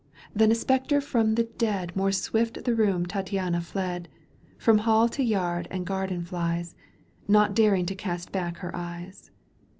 than a spectre from the dead More swift the room Tattiana fled, From hall to yard and garden flies, Not daring to cast back her eyes.